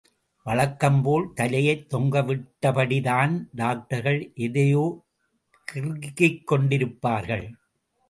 வழக்கம்போல் தலையைத் தொங்கவிட்டபடிதான் டாக்டர்கள் எதையோ கிறுக்கிக் கொண்டிருப்பார்கள்.